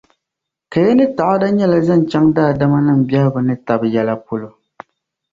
kaya ni ta'ada yɛla zaŋ chaŋ daadamnim’ biɛhigu ni tab’ yɛla polo.